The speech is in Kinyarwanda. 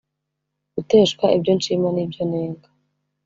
Guteshwa ibyo nshima n’ibyo nennga